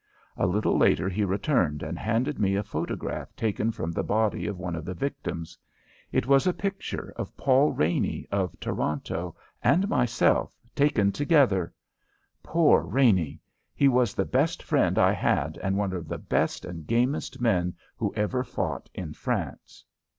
A little later he returned and handed me a photograph taken from the body of one of the victims. It was a picture of Paul Raney, of Toronto, and myself, taken together! Poor Raney! He was the best friend I had and one of the best and gamest men who ever fought in France!